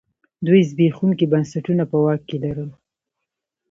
دوی زبېښونکي بنسټونه په واک کې لرل.